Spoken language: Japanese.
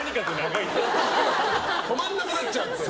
止まんなくなっちゃうという。